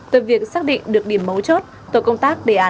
từ việc xác định được điểm mấu chốt